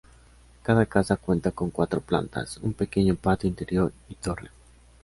Cada casa cuenta con cuatro plantas, un pequeño patio interior y torre.